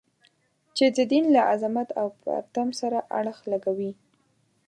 چې د دین له عظمت او پرتم سره اړخ لګوي.